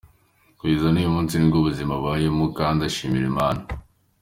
Kugeza n’uyu munsi nibwo buzima abayemo kandi abishimira Imana.